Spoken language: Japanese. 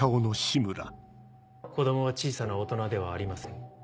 子供は小さな大人ではありません。